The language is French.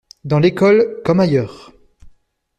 dans l'école comme ailleurs.